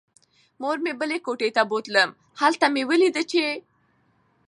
مور مې بلې کوټې ته بوتلم. هلته مې ولیدله چې